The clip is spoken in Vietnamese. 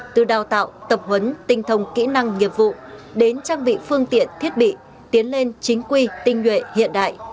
từ đào tạo tập huấn tinh thông kỹ năng nghiệp vụ đến trang bị phương tiện thiết bị tiến lên chính quy tinh nhuệ hiện đại